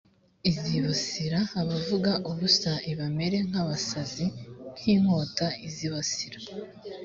izibasira abavuga ubusa l bamere nk abasazi m inkota izibasira